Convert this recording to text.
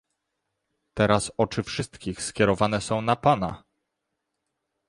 Teraz oczy wszystkich skierowane są na pana!